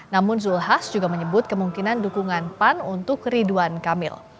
namun zulkifli hasan juga menyebut kemungkinan dukungan pan untuk ridwan kamil